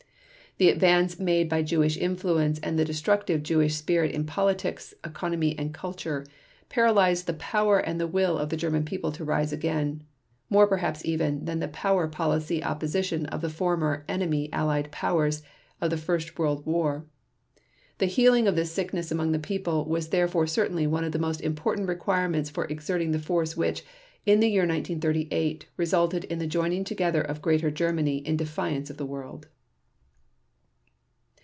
The advance made by Jewish influence and the destructive Jewish spirit in politics, economy, and culture, paralyzed the power and the will of the German People to rise again, more perhaps even than the power policy opposition of the former enemy Allied Powers of the first World War. The healing of this sickness among the people, was therefore certainly one of the most important requirements for exerting the force which, in the year 1938, resulted in the joining together of Greater Germany in defiance of the world."